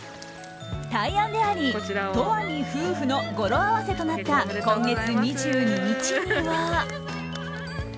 大安であり、永久に夫婦の語呂合わせとなった今月２２日には。